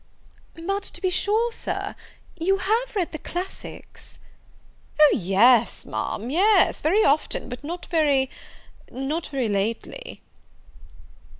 "But, to be sure, Sir, you have read the classics?" "O dear, yes, Ma'am! very often, but not very not very lately."